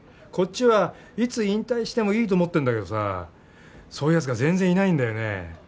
こっちはいつ引退してもいいと思ってるんだけどさそういう奴が全然いないんだよね。